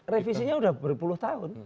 revisinya sudah berpuluh tahun